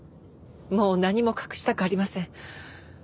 もう何も隠したくありません。